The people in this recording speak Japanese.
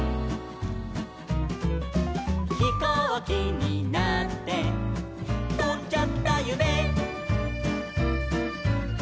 「ひこうきになってとんじゃったゆめ」